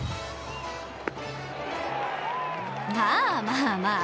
まあ、まあ、まあ。